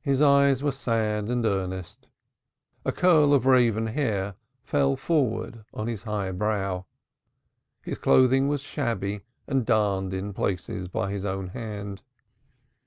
His eyes were sad and earnest, a curl of raven hair fell forwards on his high brow; his clothing was shabby and darned in places by his own hand.